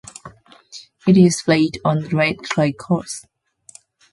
It is played on red clay courts.